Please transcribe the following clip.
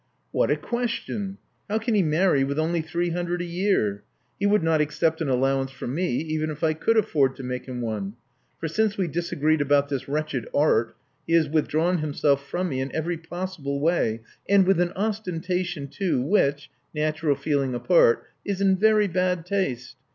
What a question! How can he marry with only three himdred a year? He would not accept an allow ance from me, even if I could afford to make him one; for since we disagreed about this wretched art, he has withdrawn himself from me in every possible way, and with an ostentation, too, which — natural feeling apart — is in very bad taste.